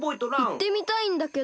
いってみたいんだけど。